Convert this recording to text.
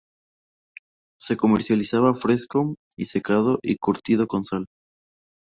Se comercializa fresco y secado y curtido con sal.